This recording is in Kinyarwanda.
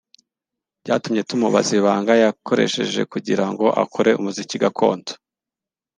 Byatumye tumubaza ibanga yakorsheje kugira ngo akore umuziki gakondo